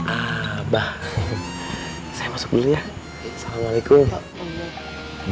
abah saya masuk dulu ya assalamualaikum